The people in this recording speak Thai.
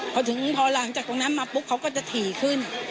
พอถึงพอหลังจากตรงนั้นมาปุ๊บเขาก็จะถี่ขึ้น